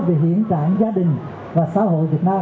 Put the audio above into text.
về hiện tại gia đình và xã hội việt nam